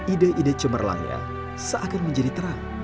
ide ide cemerlangnya seakan menjadi terang